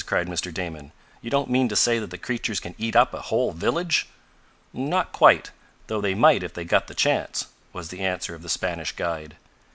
cried Mr. Damon. "You don't mean to say that the creatures can eat up a whole village?" "Not quite. Though they might if they got the chance," was the answer of the Spanish guide.